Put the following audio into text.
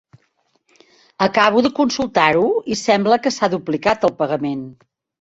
Acabo de consultar-ho i sembla que s'ha duplicat el pagament.